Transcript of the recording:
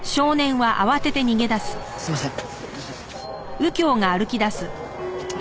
すいません。